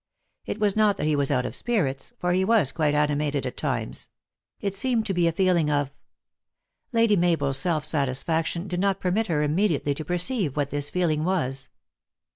It was not that he was out of spirits; for he was quite animated at times. It seemed to be a feeling of Lady Mabel s self satisfaction did not permit her im mediately to perceive what this feeling was.